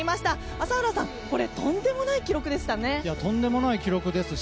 朝原さん、これはとんでもない記録でしたね。